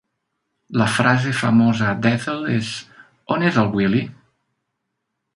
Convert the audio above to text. La frase famosa d'Ethel és: "On és el Willy?".